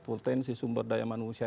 potensi sumber daya manusia